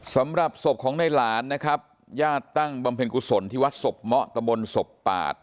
สำหรับศพของในหลานนะครับญาติตั้งบำเพ็ญกุศลที่วัดศพเมาะตะบนศพปาด